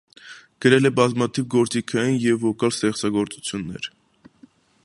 Գրել է բազմաթիվ գործիքային և վոկալ ստեղծագործություններ։